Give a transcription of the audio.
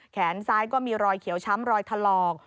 แขนซ้ายก็มีรอยเขียวช้ำรอยถลอก